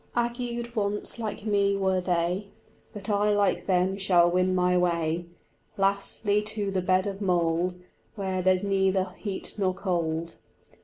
Agued once like me were they, But I like them shall win my way Lastly to the bed of mould Where there's neither heat nor cold.